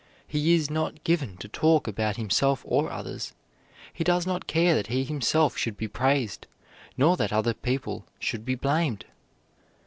He is not given to talk about himself or others. He does not care that he himself should be praised, nor that other people should be blamed."